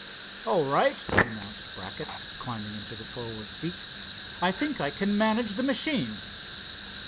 "All right," announced Brackett, climbing into the forward seat. "I think I can manage the machine."